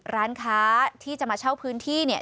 ร้านค้าที่จะมาเช่าพื้นที่เนี่ย